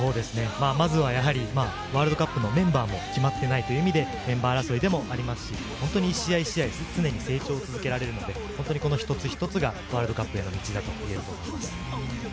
まずはワールドカップのメンバーも決まってないという意味で、メンバー争いでもありますし、一試合一試合が常に成長し続けられるので、一つ一つがワールドカップへの道だと思います。